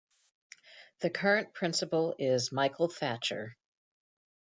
The current principal is Michael Thatcher.